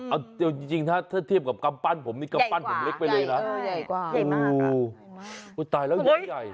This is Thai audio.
เอาจริงถ้าถ้าเทียบกับกำปั้นผมนี่กำปั้นผมเล็กไปเลยนะใหญ่กว่าโอ้โหตายแล้วใหญ่